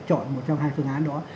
chọn một trong hai phương án đó